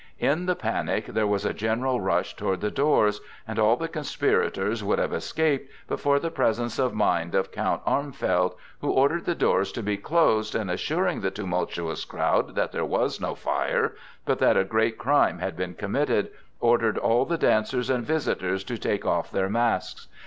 In the panic there was a general rush toward the doors, and all the conspirators would have escaped, but for the presence of mind of Count Armfeld, who ordered the doors to be closed, and assuring the tumultuous crowd that there was no fire, but that a great crime had been committed, ordered all the dancers and visitors to take off their masks.